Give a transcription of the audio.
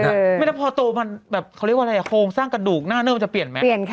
เออไม่ได้พอโตมันแบบเขาเรียกว่าอะไรโครงสร้างกระดูกหน้าเนื้อมันจะเปลี่ยนไหม